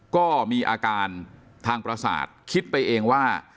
ก็มีอาการทางประสาทคิดไปเองว่า